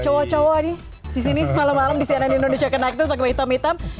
cowok cowok nih disini malam malam di cnn indonesia connected pakai hitam hitam